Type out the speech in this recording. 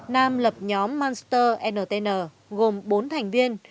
nam lập nhóm monster ntn gồm bốn thành viên